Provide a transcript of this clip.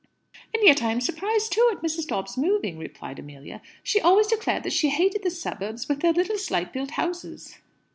"And yet I am surprised, too, at Mrs. Dobbs moving," replied Amelia. "She always declared that she hated the suburbs, with their little slight built houses."